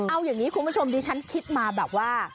เอาอย่างนี้คุณผู้ชมดิฉันคิดมาแบบว่า